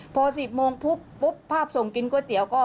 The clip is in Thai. พอ๑๐โมงปุ๊บปุ๊บภาพส่งกินก๋วยเตี๋ยวก็